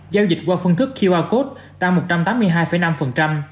giao dịch qua phương thức qr code tăng một trăm tám mươi hai năm